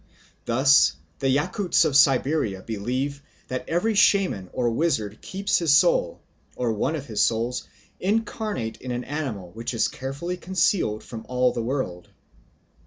Thus the Yakuts of Siberia believe that every shaman or wizard keeps his soul, or one of his souls, incarnate in an animal which is carefully concealed from all the world.